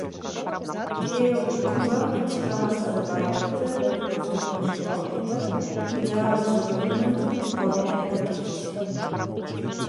Тие ја обликуваа претставата за бајките, љубовта кон животните, идеалот за убавината, типовите негативци.